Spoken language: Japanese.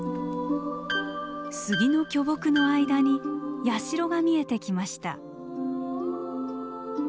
杉の巨木の間に社が見えてきました。